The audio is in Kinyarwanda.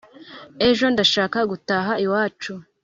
ejo ndashaka gutaha.iwacu